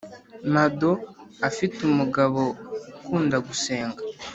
Mado afite umugabo ukunda gusenga